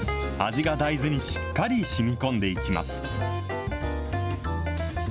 味が大豆にしっかりしみこんでいきます。